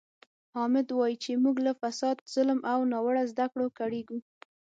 حامد وایي چې موږ له فساد، ظلم او ناوړه زده کړو کړېږو.